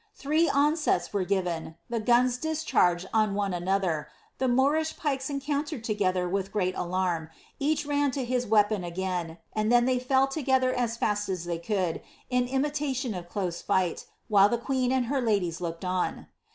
Thrt>« onsets were given, the guns discharged on one another, the Moorish pikes encountered together with great alarm, each ran to his weapon again, and then they fell together as fast as they could, in imi tation of close fight, while the queen and her ladies looked on.